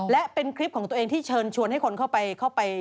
และเป็นคลิปของตัวเองที่เชิญชวนให้คนเข้าไป